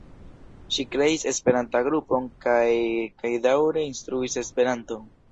Ŝi kreis esperantan grupon kaj kaj daŭre instruis esperanton.